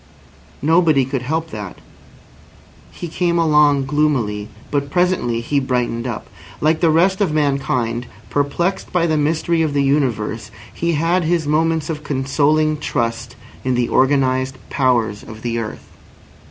Nobody could help that! He came along gloomily, but presently he brightened up. Like the rest of mankind, perplexed by the mystery of the universe, he had his moments of consoling trust in the organised powers of the earth.